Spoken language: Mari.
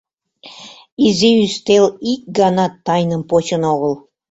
Изи ӱстел ик ганат тайным почын огыл.